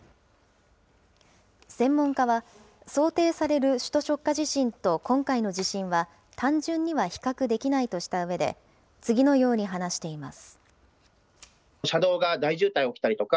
専門家は、想定される首都直下地震と今回の地震は、単純には比較できないとしたうえで、次のように話しています。